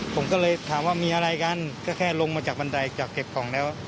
ผมก็เลยถามว่ามีอะไรกันก็แค่ลงมาจากบันไดจากเก็บของแล้ว